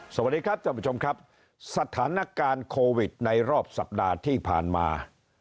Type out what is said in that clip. สวัสดีครับท่านผู้ชมครับสถานการณ์โควิดในรอบสัปดาห์ที่ผ่านมา